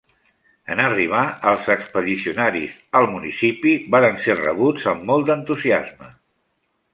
En arribar els expedicionaris al municipi varen ser rebuts amb molt d'entusiasme.